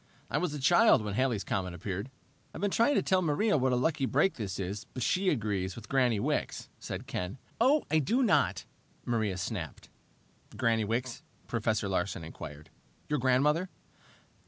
I was a child when Halley's comet appeared." "I've been trying to tell Maria what a lucky break this is, but she agrees with Granny Wicks," said Ken. "Oh, I do not!" Maria snapped. "Granny Wicks?" Professor Larsen inquired. "Your grandmother?"